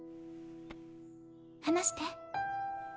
話して。